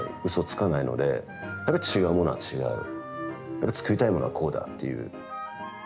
やっぱり作りたいものはこうだっていう。